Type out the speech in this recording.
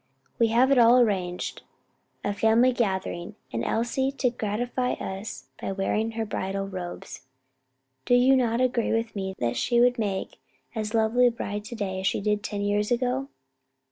"We have it all arranged, a family gathering, and Elsie to gratify us by wearing her bridal robes. Do you not agree with me that she would make as lovely a bride to day as she did ten years ago?"